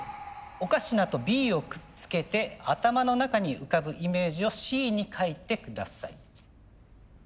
「『おかしな』と『Ｂ』をくっつけて頭の中に浮かぶイメージを『Ｃ』に書いてください」。